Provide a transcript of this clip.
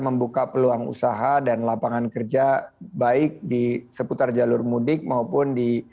membuka peluang usaha dan lapangan kerja baik di seputar jalur mudik maupun di